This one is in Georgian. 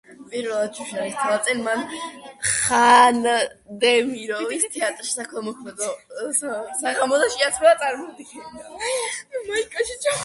პირველად შუშელების თვალწინ, მან ხანდემიროვის თეატრში საქველმოქმედო საღამოზე შეასრულა წარმოდგენა.